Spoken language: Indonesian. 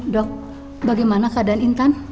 dok bagaimana keadaan intan